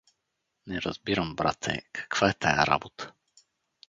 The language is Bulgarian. — Не разбирам, брате, каква е тая работа.